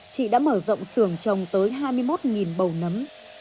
chị đã mở rộng sưởng trồng tới hai mươi một bầu nấm